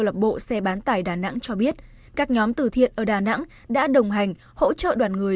lập bộ xe bán tải đà nẵng cho biết các nhóm từ thiện ở đà nẵng đã đồng hành hỗ trợ đoàn người